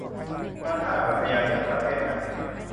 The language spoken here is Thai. การท่าอากาศยานแห่งประเทศไทย